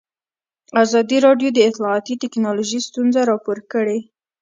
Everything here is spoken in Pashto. ازادي راډیو د اطلاعاتی تکنالوژي ستونزې راپور کړي.